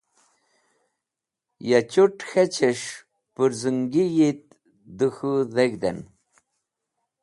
Ya chut̃ k̃heches̃h pũrzũngi yit dẽ k̃hũ dheg̃hd en.